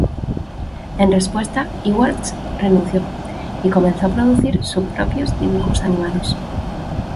En respuesta, Iwerks renunció y comenzó a producir sus propios dibujos animados.